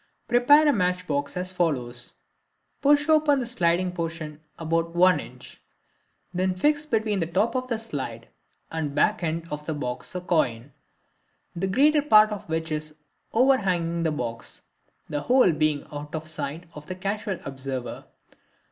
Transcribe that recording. —Prepare a matchbox as follows: Push open the sliding portion about 1 in. Then fix between the top of the slide and the back end of the box a coin, the greater part of which is overhanging the box, the whole being out of sight of the casual observer.